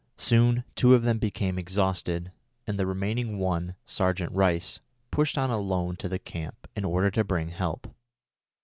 Soon two of them became exhausted, and the remaining one, Sergeant Rice, pushed on alone to the camp in order to bring help.